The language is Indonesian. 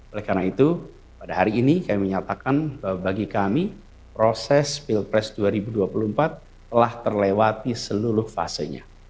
oleh karena itu pada hari ini kami menyatakan bahwa bagi kami proses pilpres dua ribu dua puluh empat telah terlewati seluruh fasenya